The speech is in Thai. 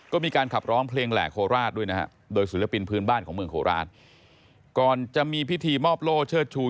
ก็มีการขับร้องเพลงแหลกโคราชด้วยนะครับโดยศิลปินพื้นบ้านของเมืองโคราช